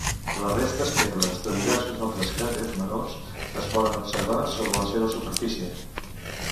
Les restes febles de diversos altres cràters menors es poden observar sobre la seva superfície.